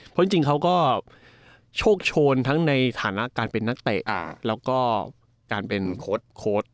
เพราะจริงเขาก็โชคโชนทั้งในฐานะการเป็นนักเตะแล้วก็การเป็นโค้ดโค้ด